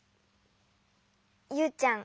ユウちゃん